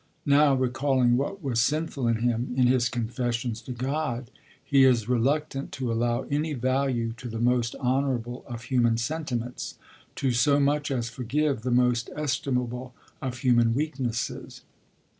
Now, recalling what was sinful in him, in his confessions to God, he is reluctant to allow any value to the most honourable of human sentiments, to so much as forgive the most estimable of human weaknesses.